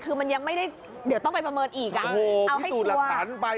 คือมันยังไม่ได้เดี๋ยวต้องไปประเมินอีกอ่ะเอาให้พิสูจน์หลักฐานไป